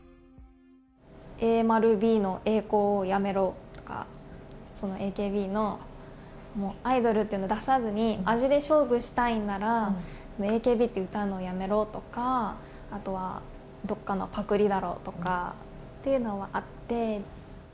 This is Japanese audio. Ａ〇Ｂの栄光をやめろとか、そのＡＫＢのアイドルっていうのを出さずに味で勝負したいんだったら、ＡＫＢってうたうのをやめろとか、あとはどっかのぱくりだろとかっていうのはあって。